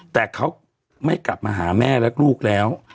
แต่เขาไม่กลับมาหาแม่และลูกแล้ว